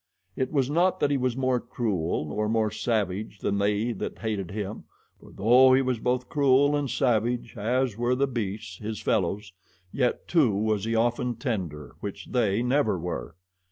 It was not that he was more cruel or more savage than they that they hated him, for though he was both cruel and savage as were the beasts, his fellows, yet too was he often tender, which they never were.